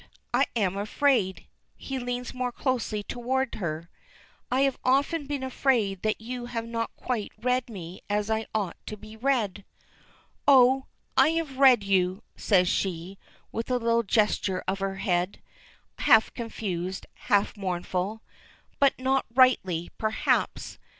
I am afraid," he leans more closely toward her, "I have often been afraid that you have not quite read me as I ought to be read." "Oh, I have read you," says she, with a little gesture of her head, half confused, half mournful. "But not rightly, perhaps.